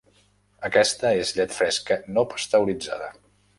Aquesta és llet fresca no pasteuritzada.